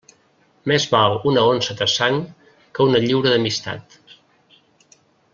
Més val una onça de sang que una lliura d'amistat.